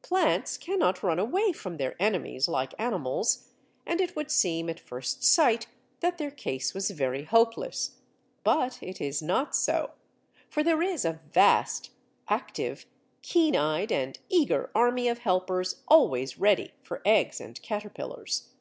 Plants cannot run away from their enemies like animals, and it would seem at first sight that their case was very hopeless. But it is not so, for there is a vast, active, keen eyed, and eager army of helpers always ready for eggs and caterpillars.